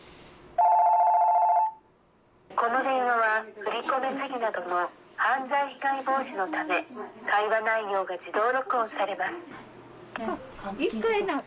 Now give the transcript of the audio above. この電話は振り込み詐欺などの犯罪防止のため会話内容が自動録音されます。